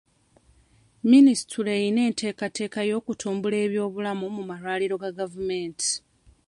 Minisitule erina enteekateeka y'okutumbula eby'obulamu mu malwaliro ga gavumenti.